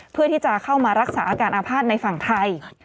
เพื่อที่จะเข้ามารักษาอาการอาภาษณ์ในฝั่งไทย